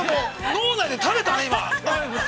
◆脳内で食べたね、今？